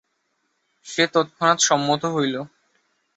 সে তৎক্ষণাৎ সম্মত হইল।